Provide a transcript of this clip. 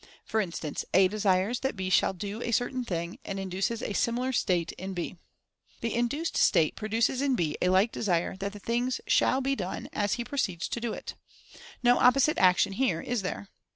For instance, A desires that B shall do a certain thing, and induces a similar state in B. The induced state produces in B a like desire that the things shall be done, and he proceeds to do it. No opposite action here, is there?